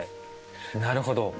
なるほど。